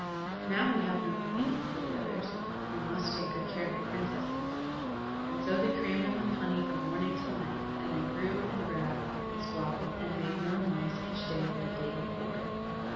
"Now we have no Queen," said the others, "we must take good care of the Princesses." And so they crammed them with honey from morning till night; and they grew, and grabbed, and squabbled, and made more noise each day than the day before.